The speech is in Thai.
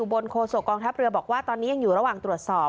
บนโคศกองทัพเรือบอกว่าตอนนี้ยังอยู่ระหว่างตรวจสอบ